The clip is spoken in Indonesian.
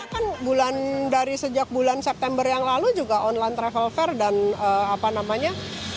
kan bulan dari sejak bulan september yang lalu juga online travel fair dan apa namanya